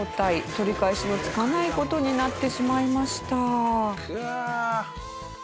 取り返しのつかない事になってしまいました。